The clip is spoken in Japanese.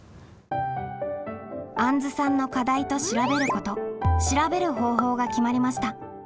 あんずさんの課題と「調べること」「調べる方法」が決まりました。